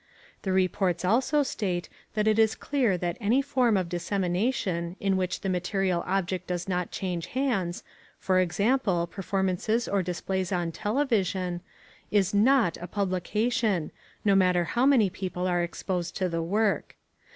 The reports also state that it is clear that any form of dissemination in which the material object does not change hands, for example, performances or displays on television, is *not* a publication no matter how many people are exposed to the work.